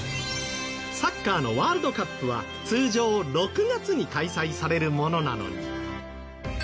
サッカーのワールドカップは通常６月に開催されるものなのに。